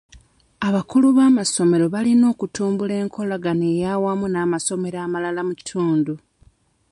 Abakulu b'amasomero balina okutumbula enkolagana ey'awamu n'amasomero amalala mu kitundu.